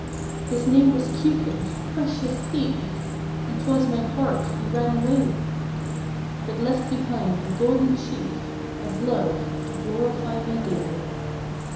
His name was Cupid precious thief! And twas my heart he ran away with, But left behind a golden sheaf Of Love to glorify my day with.